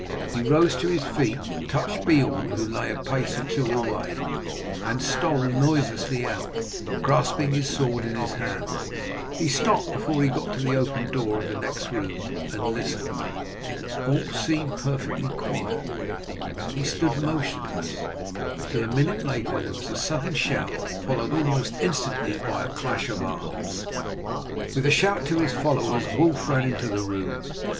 He rose to his feet, touched Beorn, who lay a pace or two away, and stole noiselessly out, grasping his sword in his hand. He stopped before he got to the open door of the next room and listened. All seemed perfectly quiet. He stood motionless, until a minute later there was a sudden shout, followed almost instantly by a clash of arms. With a shout to his followers Wulf ran into the room.